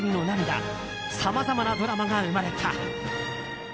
涙さまざまなドラマが生まれた。